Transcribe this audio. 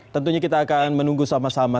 tentunya kita akan menunggu sama sama